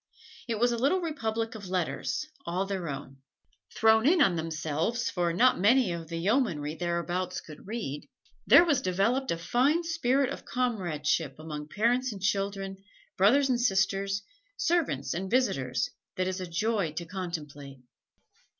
It was a little republic of letters all their own. Thrown in on themselves for not many of the yeomanry thereabouts could read, there was developed a fine spirit of comradeship among parents and children, brothers and sisters, servants and visitors, that is a joy to contemplate.